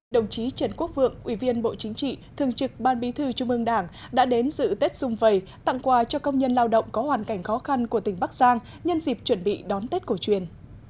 đồng chí trần quốc vượng ủy viên bộ chính trị thường trực ban bí thư trung ương đảng đã đến dự tết dung vầy tặng quà cho công nhân lao động có hoàn cảnh khó khăn của tỉnh bắc giang nhân dịp chuẩn bị đón tết cổ truyền